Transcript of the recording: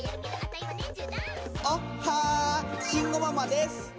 おっはー慎吾ママです！